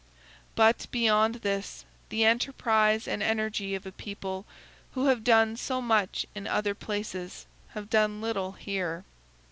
But, beyond this, the enterprise and energy of a people who have done so much in other places have done little here.